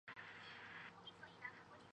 赞科夫的行径引起共产国际的谴责。